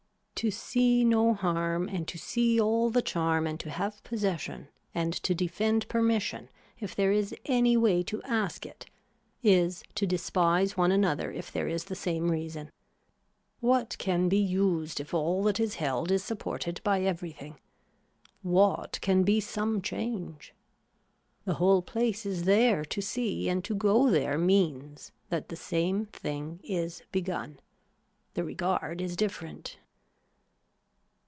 To see no harm and to see all the charm and to have possession and to defend permission if there is any way to ask it is to despise one another if there is the same reason. What can be used if all that is held is supported by everything. What can be some change. The whole place is there to see and to go there means that the same thing is begun. The regard is different.